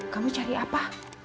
kamu cari apa